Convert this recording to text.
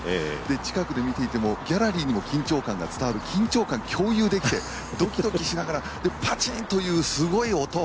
近くで見ているとギャラリーにも緊張感が伝わる緊張感が共有できてドキドキしながら、そしてパチンッというすごい音！